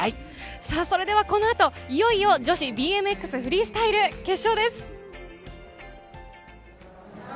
それではこの後、いよいよ女子ＢＭＸフリースタイル決勝です。